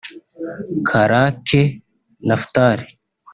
Karake Naphtal